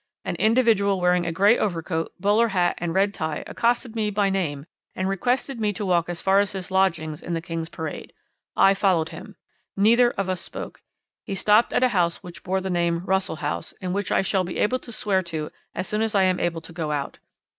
An individual wearing a grey overcoat, bowler hat, and red tie accosted me by name and requested me to walk as far as his lodgings in the King's Parade. I followed him. Neither of us spoke. He stopped at a house which bore the name 'Russell House,' and which I shall be able to swear to as soon as I am able to go out.